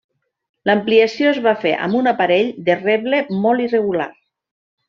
L'ampliació es va fer amb un aparell de reble molt irregular.